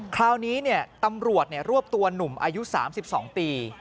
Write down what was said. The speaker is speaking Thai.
คราวนี้ตำรวจรวบตัวหนุ่มอายุ๓๒ปี